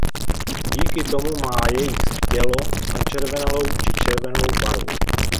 Díky tomu má jejich tělo načervenalou či červenou barvu.